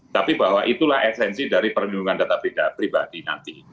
tapi bahwa itulah esensi dari perlindungan data pribadi nanti